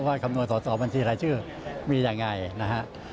ว่าคำนวณสอบัญชีแรคชื่อมีอย่างไรนะฮะ